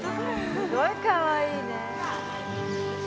すごいかわいいね。